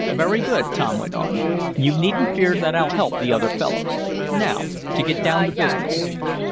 "Very good," Tom went on. "You needn't fear that I'll help the other fellows. Now to get down to business.